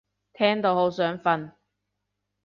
聽到好想瞓